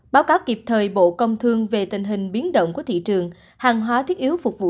báo cáo kịp thời bộ công thương về tình hình biến động của thị trường hàng hóa thiết yếu phục vụ